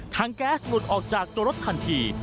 แก๊สหลุดออกจากตัวรถทันที